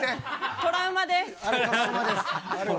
トラウマです。